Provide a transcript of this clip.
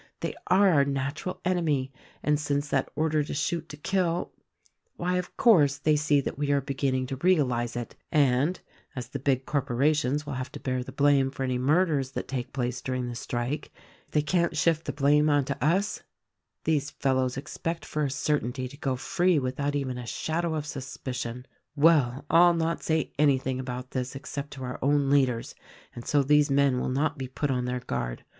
They are our natural enemy, and since that order to shoot to kill, why, of course, they see that we are beginning to realize it; and, as the big corpora tions will have to bear the blame for anv murders that take place during the strike— if they can't shift the blame on to us — these fellows expect for a certainty to go free without even a shadow of suspicion. "Well, I'll not say anything about this except to our own leaders; and so these men will not be put on their guard.